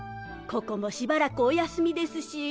ここもしばらくお休みですし。